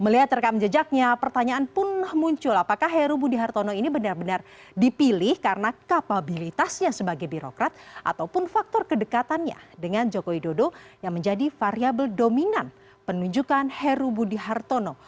dan jejaknya pertanyaan pun muncul apakah heru budi hartono ini benar benar dipilih karena kapabilitasnya sebagai birokrat ataupun faktor kedekatannya dengan joko widodo yang menjadi variable dominan penunjukan heru budi hartono